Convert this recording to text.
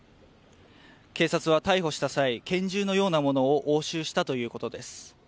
警察が逮捕した際券銃のようなものを押収したということです。